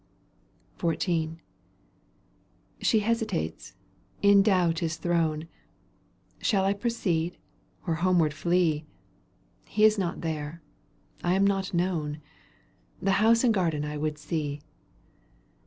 XIV. She hesitates, in doubt is thrown —.^" Shall I proceed, or homeward flee ? He is not there : I am not known : The house and garden I would see."